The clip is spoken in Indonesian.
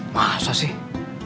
mengapas kacau tuh lu